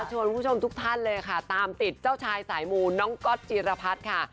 คุณผู้ชมทุกท่านเลยค่ะตามติดเจ้าชายสายมูน้องก๊อตจิรพัฒน์ค่ะ